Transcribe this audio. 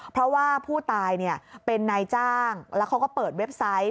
เพราะว่าผู้ตายเป็นนายจ้างแล้วเขาก็เปิดเว็บไซต์